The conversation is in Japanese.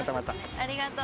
ありがとう。